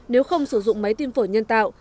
nếu không sử dụng máy tim phổi nhân tạo